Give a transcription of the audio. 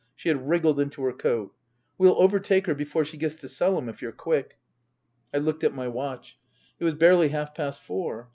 She had wriggled into her coat. " We'll overtake her before she gets to Selham, if you're quick." I looked at my watch. It was barely half past four.